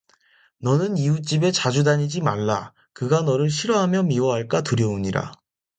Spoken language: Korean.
너는 이웃집에 자주 다니지 말라 그가 너를 싫어하며 미워할까 두려우니라